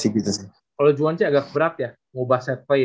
kalo juhan sih agak berat ya ngubah set play